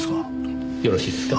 よろしいですか？